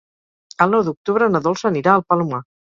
El nou d'octubre na Dolça anirà al Palomar.